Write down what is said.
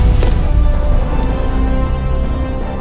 aku akan menang